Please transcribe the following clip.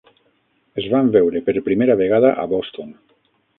Es van veure per primera vegada a Boston.